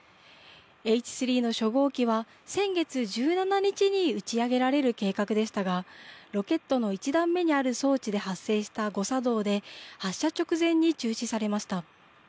Ｈ３の初号機は先月１７日に打ち上げられる計画でしたがロケットの１段目にある装置で発生した誤作動で発射直前に中止されました。